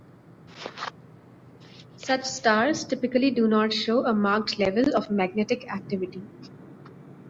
Such stars typically do not show a marked level of magnetic activity.